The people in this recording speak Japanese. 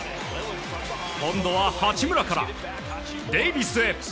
今度は八村からデイビスへ。